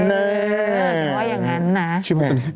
เออว่าอย่างนั้นนะ